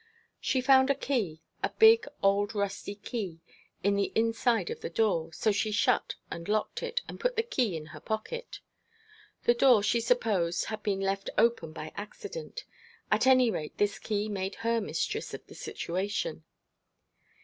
She found a key a big old rusty key in the inside of the door, so she shut and locked it, and put the key in her pocket. The door she supposed had been left open by accident; at any rate this key made her mistress of the situation.